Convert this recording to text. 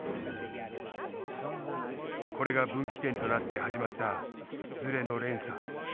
これが分岐点となって始まったずれの連鎖。